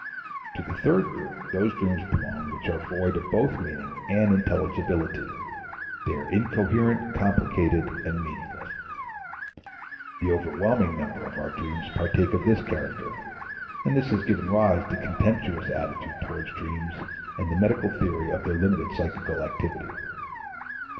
To the third group those dreams belong which are void of both meaning and intelligibility; they are incoherent, complicated, and meaningless. The overwhelming number of our dreams partake of this character, and this has given rise to the contemptuous attitude towards dreams and the medical theory of their limited psychical activity.